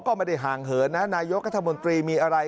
ก็ไม่ได้ห่างเหอะนายกกมีอะไร